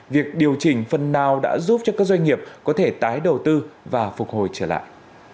việc điều chỉnh phần nào đã giúp cho các doanh nghiệp có thể tái đầu tư và phục hồi trở lại